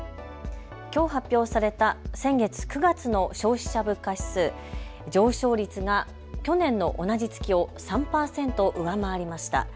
きょう発表された先月・９月の消費者物価指数、上昇率が去年の同じ月を３％上回りました。